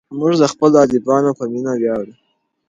موږ د خپلو ادیبانو په مینه ویاړو.